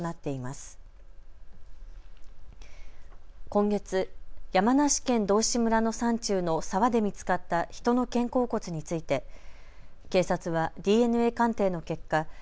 今月、山梨県道志村の山中の沢で見つかった人の肩甲骨について警察はＤＮＡ鑑定の結果